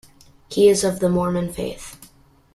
He is of the Mormon faith.